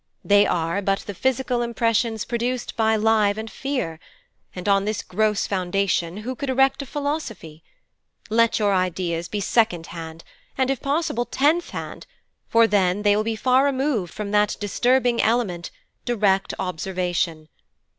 They are but the physical impressions produced by live and fear, and on this gross foundation who could erect a philosophy? Let your ideas be second hand, and if possible tenth hand, for then they will be far removed from that disturbing element direct observation.